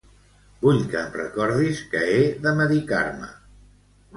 Vull que em recordis que he de medicar-me.